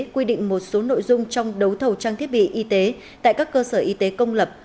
quy định một số nội dung trong đấu thầu trang thiết bị y tế tại các cơ sở y tế công lập